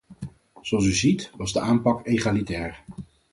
Zoals u ziet, was de aanpak egalitair.